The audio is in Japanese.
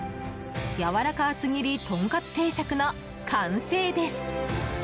やわらか厚切りトンカツ定食の完成です。